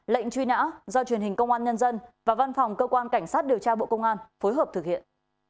lệnh truy nã do truyền hình công an nhân dân và văn phòng cơ quan cảnh sát điều tra bộ công an phối hợp thực hiện